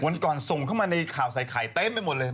วันก่อนส่งเข้ามาในข่าวใส่ไข่เต็มไปหมดเลย